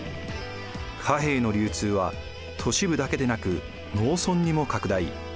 貨幣の流通は都市部だけでなく農村にも拡大。